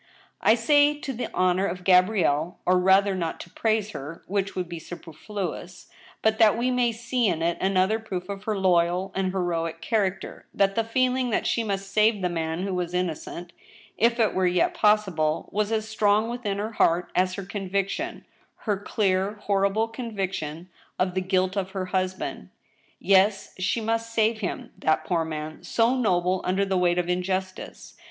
I say to the honor of Gabrielle, or rather not to praise her, which would be superfluous, but that we may see in it another proof of her loyal and heroic character, that the feeling that she must save the man who was innocent, if it were yet possible, was as strong within her heart as her conviction— her clear, horrible conviction — of the guilt of her husband. Yes, she must save him — that poor man — so noble under the weight of injustice.